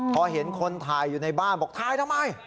พอเห็นคนถ่ายอยู่ในบ้านบอกถ่ายทำไม